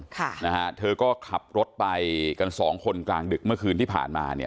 ค่ะนะฮะเธอก็ขับรถไปกันสองคนกลางดึกเมื่อคืนที่ผ่านมาเนี่ย